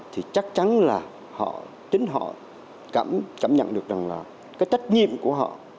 thì chắc chắn là họ chính họ cảm nhận được rằng là cái trách nhiệm của họ